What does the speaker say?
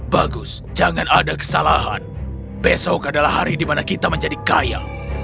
bagus jangan ada kesalahan besok adalah hari di mana kita menjadi kaya